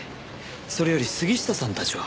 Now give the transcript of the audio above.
それより杉下さんたちは？